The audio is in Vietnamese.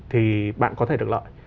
thì bạn có thể được lợi